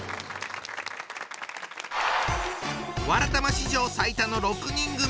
「わらたま」史上最多の６人組。